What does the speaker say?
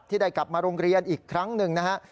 ได้กลับมาโรงเรียนอีกครั้งหนึ่งนะฮะ